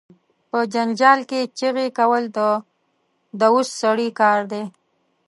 په جنجال کې چغې کول، د دووث سړی کار دي.